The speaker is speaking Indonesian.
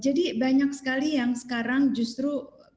jadi banyak sekali yang sekarang justru karena masyarakat itu